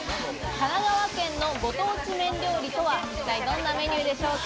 神奈川県のご当地麺料理とは一体どんなメニューでしょうか？